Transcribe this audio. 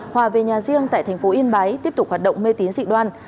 hòa về nhà riêng tại thành phố yên bái tiếp tục hoạt động mê tín dị đoan